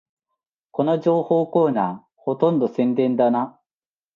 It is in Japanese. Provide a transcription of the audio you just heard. この情報コーナー、ほとんど宣伝だな